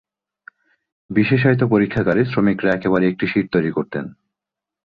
বিশেষায়িত পরীক্ষাগারে শ্রমিকরা একবারে একটি শিট তৈরী করতেন।